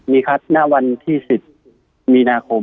มีครับณวันที่๑๐มีนาคม